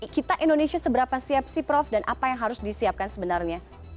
kita indonesia seberapa siap sih prof dan apa yang harus disiapkan sebenarnya